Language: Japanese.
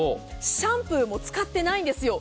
シャンプーも使ってないんですよ。